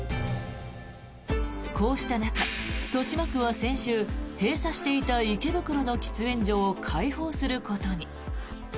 こうした中、豊島区は先週閉鎖していた池袋の喫煙所を開放することに。